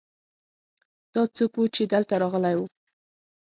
دا څوک ؤ چې دلته راغلی ؤ